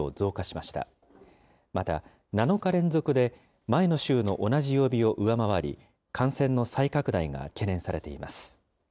また７日連続で、前の週の同じ曜日を上回り、感染の再拡大が懸念されています。